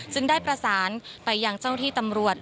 ซึ่งได้ประสานไปยังเจ้าที่ตำรวจ